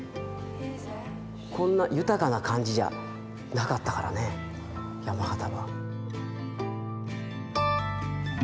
こんな豊かな感じじゃなかったからね山形は。